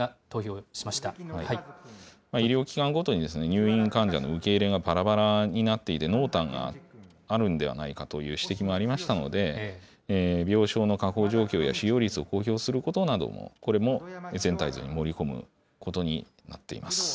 医療機関ごとに入院患者の受け入れがばらばらになっていて、濃淡があるんではないかという指摘もありましたので、病床の確保状況や使用率を公表することなども、これも全体像に盛り込むことになっています。